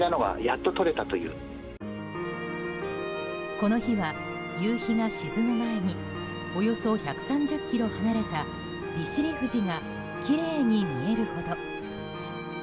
この日は夕日が沈む前におよそ１３０ｋｍ離れた利尻富士がきれいに見えるほど。